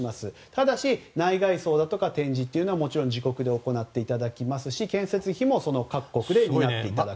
ただし、内外装とか展示はもちろん自国で行ってもらいますし建設費も各国で担っていただくと。